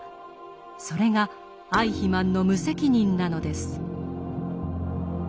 それがアイヒマンの無責任なのです。